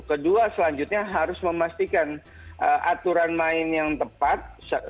kedua selanjutnya harus memastikan aturan main yang tepat